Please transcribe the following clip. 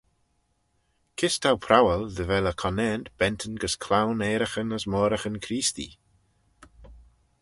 Kys t'ou prowal dy vel y conaant bentyn gys cloan ayraghyn as moiraghyn Creestee?